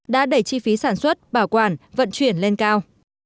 đã đẩy chi phí sản xuất bảo quản vận chuyển lên cao